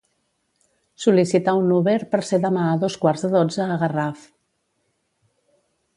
Sol·licitar un Uber per ser demà a dos quarts de dotze a Garraf.